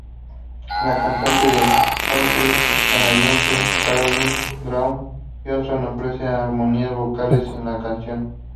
La cantante de country canadiense Carolyn Dawn Johnson ofrece armonías vocales en la canción.